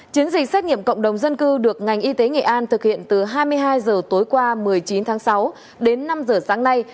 chiến dịch xét nghiệm cộng đồng dân cư được ngành y tế nghệ an thực hiện từ hai mươi hai h tối qua một mươi chín tháng sáu đến năm h sáng nay